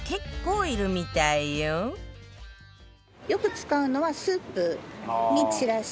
よく使うのはスープに散らして。